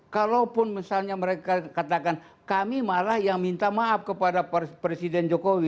kalaupun misalnya mereka katakan kami malah yang minta maaf kepada presiden jokowi